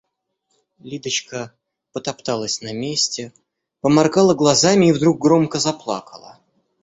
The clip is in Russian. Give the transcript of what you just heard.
Лидочка потопталась на месте, поморгала глазами и вдруг громко заплакала.